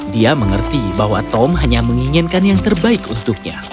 dia mengerti bahwa tom hanya menginginkan yang terbaik untuknya